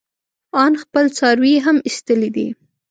ان خپل څاروي يې هم ايستلي دي.